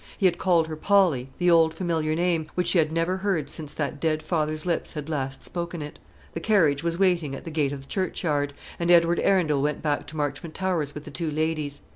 He had called her Polly, the old familiar name, which she had never heard since that dead father's lips had last spoken it. The carriage was waiting at the gate of the churchyard, and Edward Arundel went back to Marchmont Towers with the two ladies.